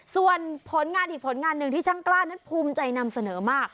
ส่วนผลงานอีกผลงานหนึ่งที่ช่างกล้านั้นภูมิใจนำเสนอมาก